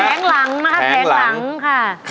แผงหลังนะคะแผงหลังค่ะ